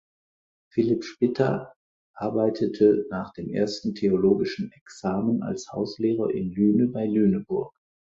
Philipp Spitta arbeitete nach dem ersten theologischen Examen als Hauslehrer in Lüne bei Lüneburg.